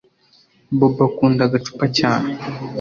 bobo akunda agacupa cyane